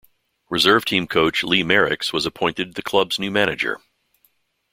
Reserve team coach Lee Merricks was appointed the club's new manager.